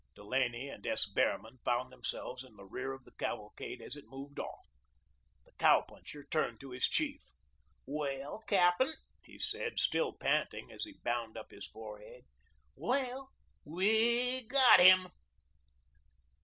Delaney and S. Behrman found themselves in the rear of the cavalcade as it moved off. The cow puncher turned to his chief: "Well, captain," he said, still panting, as he bound up his forehead; "well we GOT him."